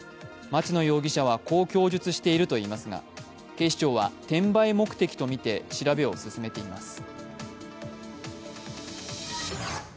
町野容疑者はこう供述しているといいますが、警視庁は、転売目的と見て調べを進めています。